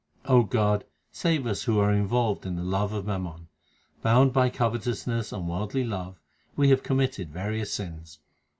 O God, save us who are involved in the love of mammon. Bound by covetousness and worldly love, we have com mitted various sins.